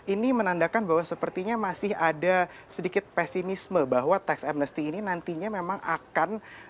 ini menandakan bahwa sepertinya masih ada sedikit pesimisme bahwa tax amnesty ini nantinya memang akan